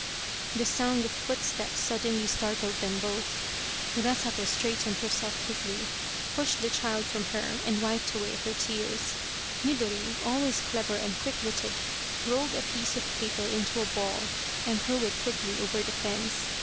The sound of footsteps suddenly startled them both. Urasato straightened herself quickly, pushed the child from her, and wiped away her tears. Midori, always clever and quick witted, rolled a piece of paper into a ball and threw it quickly over the fence.